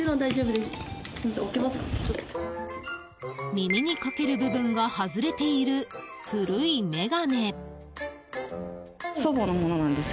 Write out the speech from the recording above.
耳にかける部分が外れている古い眼鏡。